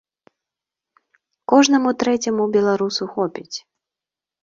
Кожнаму трэцяму беларусу хопіць!